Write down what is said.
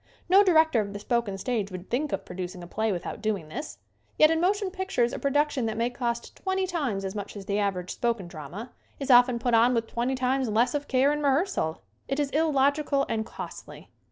No director of the spoken stage would think of producing a play without doing this. Yet in motion pictures a production that may cost twenty times as much as the average spoken drama is often put on with twenty times less of care in rehearsal. It is illogical and costly.